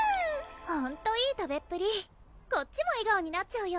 ほんといい食べっぷりこっちも笑顔になっちゃうよ